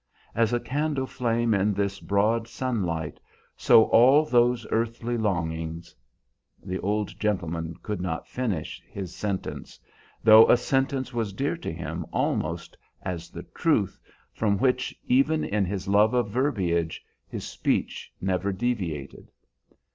As a candle flame in this broad sunlight, so all those earthly longings" The old gentleman could not finish his sentence, though a sentence was dear to him almost as the truth from which, even in his love of verbiage, his speech never deviated.